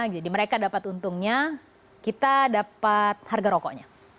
jadi mereka dapat untungnya kita dapat harga rokoknya